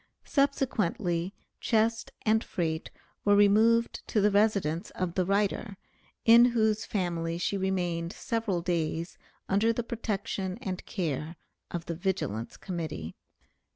Subsequently chest and freight were removed to the residence of the writer, in whose family she remained several days under the protection and care of the Vigilance Committee.